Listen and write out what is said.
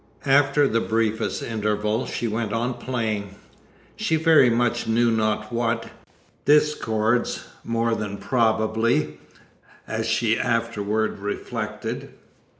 After the briefest interval she went on playing she very much knew not what, discords more than probably, as she afterward reflected!"